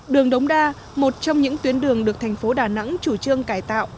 đường đống đa một trong những tuyến đường được thành phố đà nẵng chủ trương cải tạo